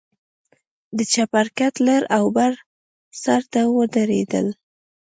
د چپرکټ لر او بر سر ته ودرېدل.